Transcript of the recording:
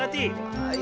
はい。